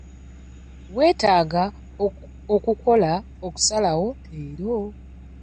Wetaaga okukola okusalawo leero.